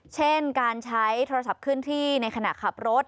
เช่นการใช้โทรศัพท์เคลื่อนที่ในขณะขับรถ